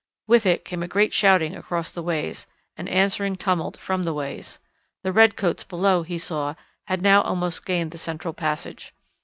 With it came a great shouting across the ways, an answering tumult from the ways. The red coats below, he saw, had now almost gained the central passage.